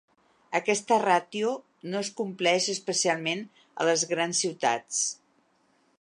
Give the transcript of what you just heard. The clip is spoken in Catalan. Aquesta ràtio no es compleix especialment a les grans ciutats.